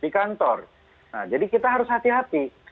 nah jadi kita harus hati hati